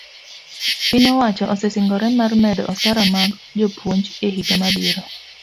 piny owacho osesingore mar medo osara mag jopuonj e higa mabiro